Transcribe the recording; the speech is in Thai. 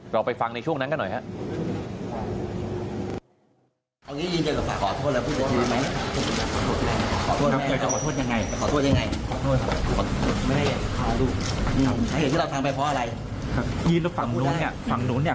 เราไปฟังในช่วงนั้นก็หน่อย